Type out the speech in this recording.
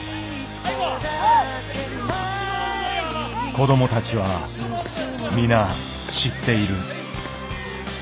子どもたちは皆知っている。